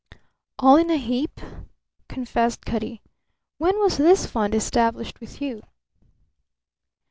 "All in a heap," confessed Cutty. "When was this fund established with you?"